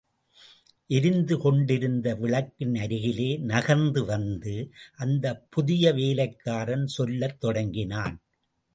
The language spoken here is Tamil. எரிந்துகொண்டிருந்த விளக்கின் அருகிலே நகர்ந்து வந்து, அந்தப் புதிய வேலைக்காரன் சொல்லத் தொடங்கினான்.